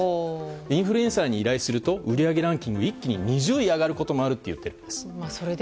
インフルエンサーに依頼すると売り上げランキングが一気に２０位上がることもあるそうです。